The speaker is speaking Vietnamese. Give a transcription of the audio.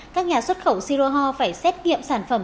các nhà xuất khẩu siroho phải xét nghiệm sản phẩm